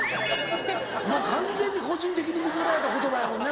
もう完全に個人的に向けられた言葉やもんね